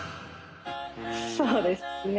そうですね。